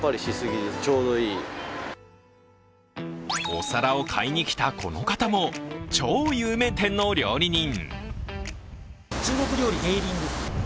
お皿を買いにきた、この方も超有名店の料理人。